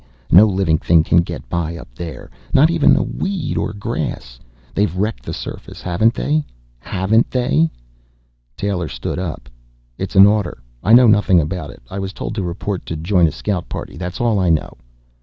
No living thing can get by up there, not even a weed, or grass. They've wrecked the surface, haven't they? Haven't they?" Taylor stood up. "It's an order. I know nothing about it. I was told to report to join a scout party. That's all I know."